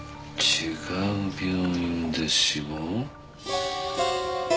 違う病院で死亡？